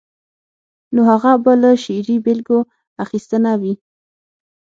نو هغه به له شعري بېلګو اخیستنه وي.